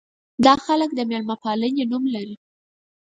دا خلک د مېلمه پالنې نوم لري.